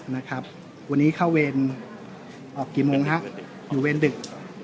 นะครับวันนี้เข้าเวรออกกี่โมงฮะอยู่เวรดึก